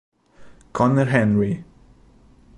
Conner Henry